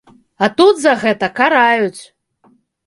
А тут за гэта караюць!